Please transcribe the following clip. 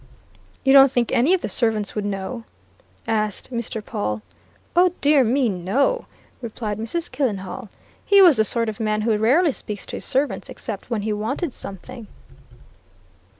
"You don't think any of the servants would know?" asked Mr. Pawle. "Oh, dear me, no!" replied Mrs. Killenhall. "He was the sort of man who rarely speaks to his servants except when he wanted something."